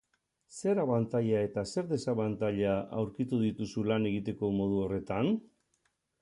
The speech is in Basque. Zer abantaila eta zer desabantaila aurkitu dituzu lan egiteko modu horretan?